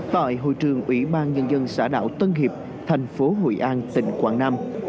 tại hội trường ủy ban nhân dân xã đảo tân hiệp thành phố hội an tỉnh quảng nam